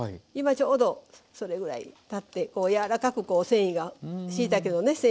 今ちょうどそれぐらいたって柔らかく繊維がしいたけのね